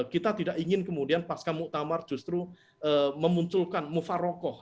kita tidak ingin kemudian pasca mu'tamar justru memunculkan mufarroqoh